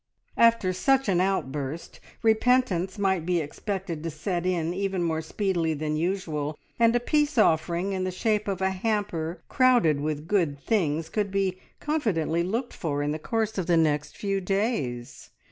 After such an outburst, repentance might be expected to set in even more speedily than usual, and a peace offering in the shape of a hamper crowded with good things could be confidently looked for in the course of the next few days.